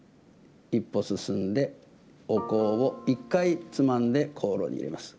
一歩進んで、お香を１回つまんで香炉に入れます。